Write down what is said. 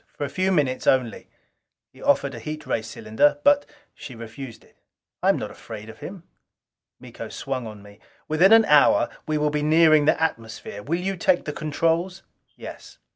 "For a few minutes only." He proffered a heat ray cylinder but she refused it. "I am not afraid of him." Miko swung on me. "Within an hour we will be nearing the atmosphere. Will you take the controls?" "Yes."